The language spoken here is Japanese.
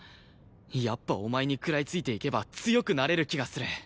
やっぱお前に食らいついていけば強くなれる気がする。